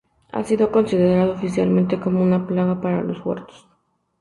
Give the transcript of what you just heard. Ha sido considerado oficialmente como una plaga para los huertos.